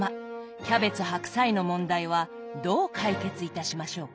キャベツ・白菜の問題はどう解決いたしましょうか？